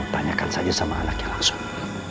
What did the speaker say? tanyakan saja sama anaknya langsung